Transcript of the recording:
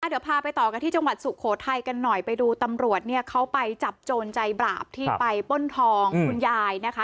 เดี๋ยวพาไปต่อกันที่จังหวัดสุโขทัยกันหน่อยไปดูตำรวจเนี่ยเขาไปจับโจรใจบาปที่ไปป้นทองคุณยายนะคะ